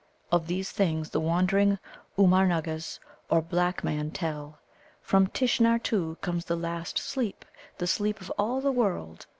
Of these things the wandering Oomgar nuggas, or black men, tell. From Tishnar, too, comes the Last Sleep the sleep of all the World.